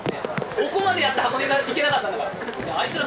ここまでやって箱根行けなかったんだから。